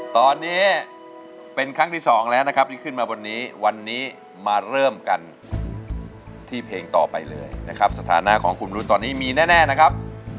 ตอนนี้เป็นครั้งที่สองแล้วนะครับที่ขึ้นมาบนนี้วันนี้มาเริ่มกันที่เพลงต่อไปเลยนะครับสถานะของคุณรุ้นตอนนี้มีแน่นะครับ